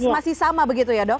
masih sama begitu ya dok